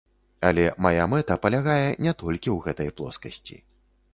Але мая мэта палягае не толькі ў гэтай плоскасці.